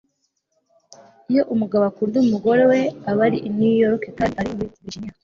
iyo umugabo akunda umugore aba ari i new york kandi ari muri virginia